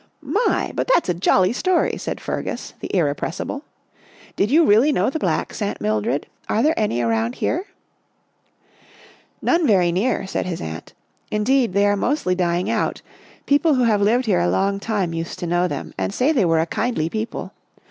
" My but that's a jolly story," said Fergus, the irrepressible. " Did you really know the Blacks, Aunt Mildred? Are there any around here?" " None very near," said his aunt. " Indeed, they are mostly dying out. People who have lived here a long time used to know them and say they were a kindly people.